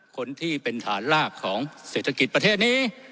คนที่เป็นฐานลากของเศรษฐกิจประเทศนี้